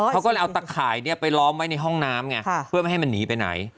เขาก็เลยเอาตะข่ายไปล้อมไว้ในห้องน้ำไงเพื่อไม่ให้มันหนีไปไหน